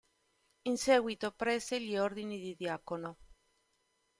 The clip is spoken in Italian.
In seguito prese gli ordini di diacono.